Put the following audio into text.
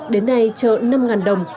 đến nay chợ năm đồng